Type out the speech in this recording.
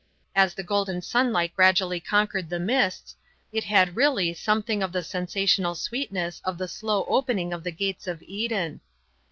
As the golden sunlight gradually conquered the mists, it had really something of the sensational sweetness of the slow opening of the gates of Eden.